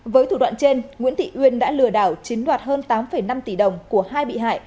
với thủ đoạn trên nguyễn thị uyên đã lừa đảo chiếm đoạt hơn tám năm tỷ đồng của hai bị hại